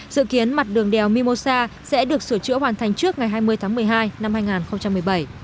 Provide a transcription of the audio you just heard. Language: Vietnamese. dự kiến mặt đường đèo mimosa sẽ được sửa chữa hoàn thành trước ngày hai mươi tháng một mươi hai năm hai nghìn một mươi bảy